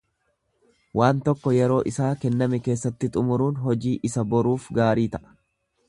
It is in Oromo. Waan tokko yeroo isaa kenname keessatti xumuruun hojii isa boruuf gaarii ta'a.